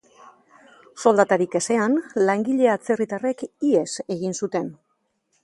Soldatarik ezean, langile atzerritarrek ihes egin zuten.